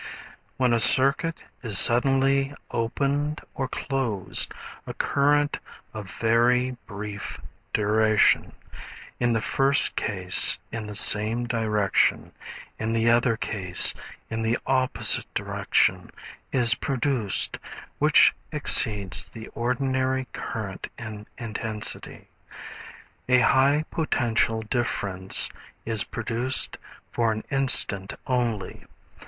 When a circuit is suddenly opened or closed a current of very brief duration, in the first case in the same direction, in the other case in the opposite direction, is produced, which exceeds the ordinary current in intensity. A high potential difference is produced for an instant only.